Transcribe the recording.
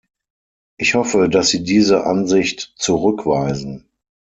Ich hoffe, dass Sie diese Ansicht zurückweisen.